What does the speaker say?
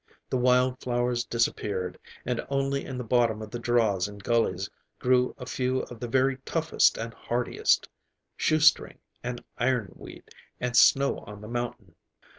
The wild flowers disappeared, and only in the bottom of the draws and gullies grew a few of the very toughest and hardiest: shoestring, and ironweed, and snow on the mountain.